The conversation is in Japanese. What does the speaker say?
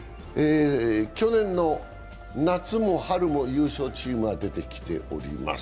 去年の夏も春も優勝チームは出てきております。